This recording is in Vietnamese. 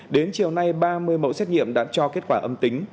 đến chiều nay ba mươi mẫu xét nghiệm đã cho kết quả âm tính